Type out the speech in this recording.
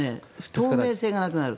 透明性がなくなる。